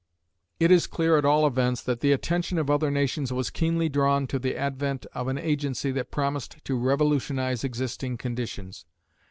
It is clear at all events that the attention of other nations was keenly drawn to the advent of an agency that promised to revolutionise existing conditions.